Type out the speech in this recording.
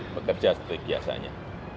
bekerja seperti biasanya